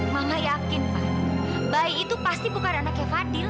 mama yakin pak bayi itu pasti bukan anaknya fadil